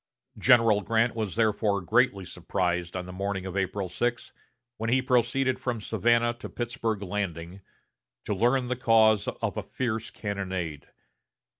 General Grant was therefore greatly surprised on the morning of April 6, when he proceeded from Savannah to Pittsburg Landing, to learn the cause of a fierce cannonade.